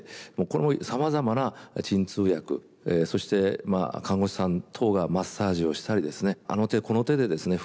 これもさまざまな鎮痛薬そして看護師さん等がマッサージをしたりですねあの手この手でですね